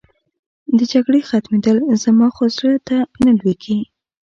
د جګړې ختمېدل، زما خو زړه ته نه لوېږي.